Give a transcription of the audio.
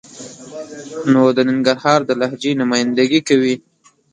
نو د ننګرهار د لهجې نماینده ګي کوي.